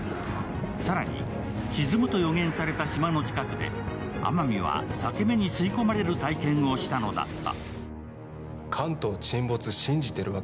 更に、沈むと予言された島の近くで天海は裂け目に吸い込まれる体験をしたのだった。